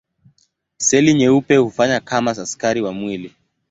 Seli nyeupe hufanya kama askari wa mwili.